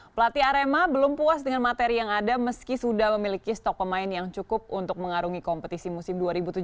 pelatih arema belum puas dengan materi yang ada meski sudah memiliki stok pemain yang cukup untuk mengarungi kompetisi musim dua ribu tujuh belas